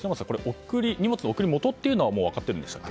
荷物の送り元はもう分かっているんでしたっけ。